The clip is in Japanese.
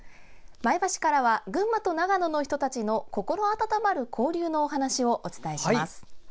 前橋からは群馬と長野の人たちの心温まる交流のお話をお伝えします。